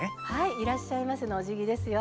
「いらっしゃいませ」のおじぎですよ。